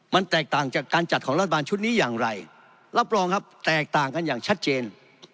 มันแตกต่างจากการจัดของรัฐบาลชุดนี้อย่างไรรับรองครับแตกต่างกันอย่างชัดเจน